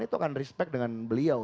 itu akan respect dengan beliau